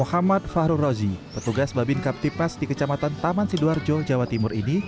muhammad fahrul rozi petugas babin kaptipas di kecamatan taman sidoarjo jawa timur ini